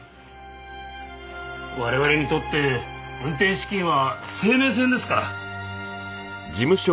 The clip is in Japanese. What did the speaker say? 我々にとって運転資金は生命線ですから。